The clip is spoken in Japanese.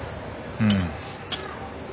うん。